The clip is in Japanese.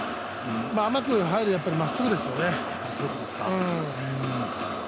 甘く入るまっすぐですよね。